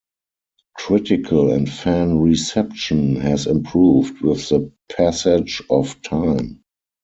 Critical and fan reception has improved with the passage of time.